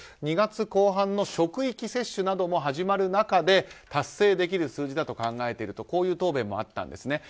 ２月後半の職域接種なども始まる中で達成できる数字だと考えているとこういう答弁もあったんです。